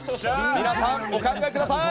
皆さん、お考えください。